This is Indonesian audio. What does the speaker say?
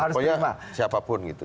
pokoknya siapapun gitu